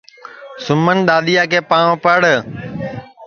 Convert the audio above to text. سُمن دؔادیا کے پاںٚوے پڑ